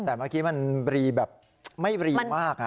แต่เมื่อกี้มันบรีแบบไม่รีมาก